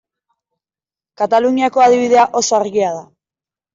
Kataluniako adibidea oso argia da.